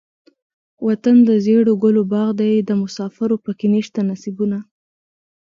وطن دزيړو ګلو باغ دے دمسافرو پکښې نيشته نصيبونه